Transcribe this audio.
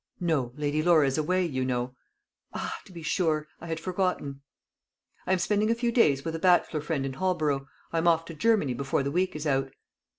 "No; Lady Laura is away, you know." "Ah to be sure; I had forgotten." "I am spending a few days with a bachelor friend in Holborough. I am off to Germany before the week is out."